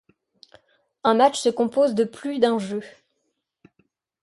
Un match se compose de plus d'un jeu.